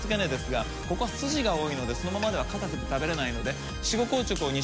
ここは筋が多いのでそのままでは硬くて食べれないので。